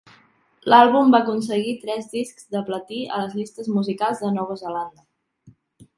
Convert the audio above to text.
L'àlbum va aconseguir tres discs de platí a les llistes musicals de Nova Zelanda.